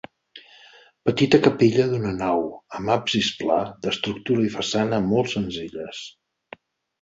Petita capella d'una nau, amb absis pla, d'estructura i façana molt senzilles.